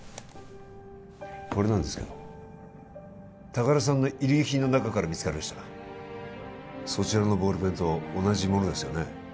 これなんですけど高田さんの遺留品の中から見つかりましたそちらのボールペンと同じものですよね？